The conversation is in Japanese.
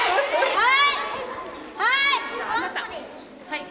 はい！